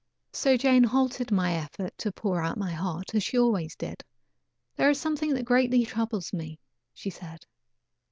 So Jane halted my effort to pour out my heart, as she always did. "There is something that greatly troubles me," she said.